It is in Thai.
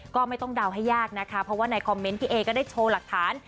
ก็ไม่ต้องเดาให้ยากนะคะเพราะว่าในคอมเมนต์พี่เอก็ได้โชว์หลักฐาน